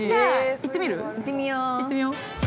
◆行ってみよう。